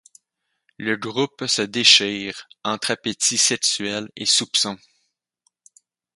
Le groupe se déchire, entre appétit sexuel et soupçon.